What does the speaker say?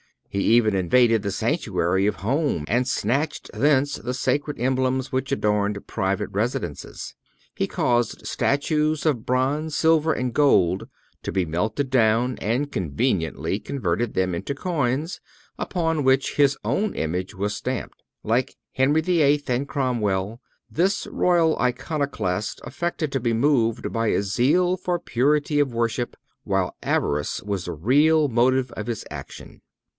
He even invaded the sanctuary of home, and snatched thence the sacred emblems which adorned private residences. He caused statues of bronze, silver and gold to be melted down and conveniently converted them into coins, upon which his own image was stamped. Like Henry VIII. and Cromwell, this royal Iconoclast affected to be moved by a zeal for purity of worship, while avarice was the real motive of his action.